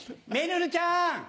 めるるちゃん